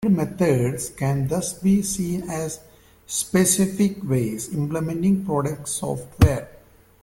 Embedded methods can thus be seen as very specific ways implementing product software.